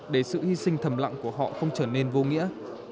để sự hy sinh thầm lặng của họ không trở nên vô nghĩa